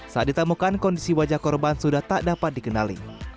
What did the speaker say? saat ditemukan kondisi wajah korban sudah tak dapat dikenali